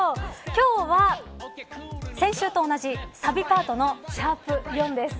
今日は先週と同じサビパートの♯４です。